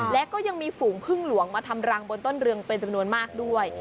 และก็ยังมีฝูงพึ่งหลวงมาทำรังบนต้นเรืองเป็นจำนวนมากด้วย